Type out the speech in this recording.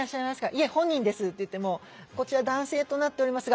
「いえ本人です」って言っても「こちら男性となっておりますが」